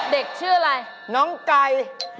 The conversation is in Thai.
เด็กชื่ออะไรน้องไก่